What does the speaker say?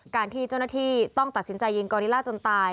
การที่เจ้าหน้าที่ต้องตัดสินใจยิงกอลิล่าจนตาย